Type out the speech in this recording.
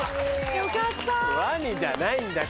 よかった。